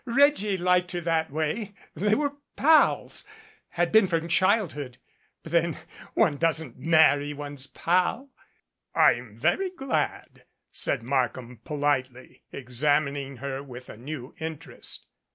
Reggie liked her that way. They were pals had been from childhood, but then one doesn't marry one's pal." "I'm very glad," said Markham politely, examining her with a new interest.